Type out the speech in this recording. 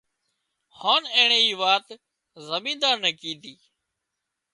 هانَ اينڻي اي وات زمينۮار نين ڪيڌي